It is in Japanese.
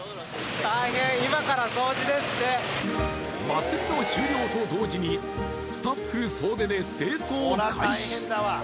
祭りの終了と同時にスタッフ総出で清掃開始！